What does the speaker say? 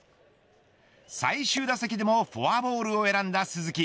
最終打席でもフォアボールを選んだ鈴木。